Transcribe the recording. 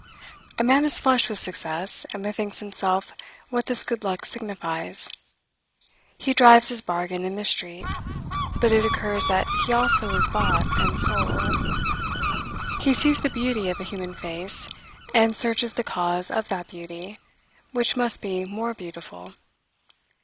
A man is flushed with success, and bethinks himself what this good luck signifies. He drives his bargain in the street; but it occurs that he also is bought and sold. He sees the beauty of a human face, and searches the cause of that beauty, which must be more beautiful.